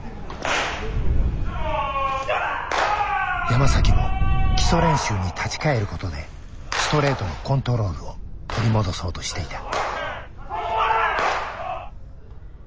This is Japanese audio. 山も基礎練習に立ち返ることでストレートのコントロールを取り戻そうとしていた。